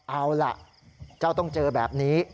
เอาล่ะเจ้าต้องเจอแบบนี้